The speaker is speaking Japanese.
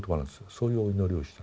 そういうお祈りをした。